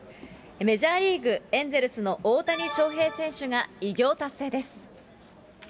メジャーリーグ・エンゼルスの大谷翔平選手が偉業達成です。